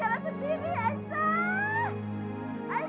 iya ini pegang ya